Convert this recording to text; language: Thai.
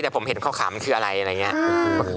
แต่ผมเห็นขาวมันคืออะไรอะไรอย่างนี้